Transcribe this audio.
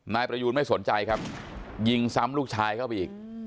นายประยูนไม่สนใจครับยิงซ้ำลูกชายเข้าไปอีก